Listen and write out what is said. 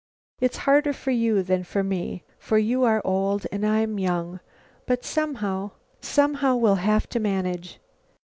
It's harder for you than for me, for you are old and I'm young, but somehow somehow, we'll have to manage.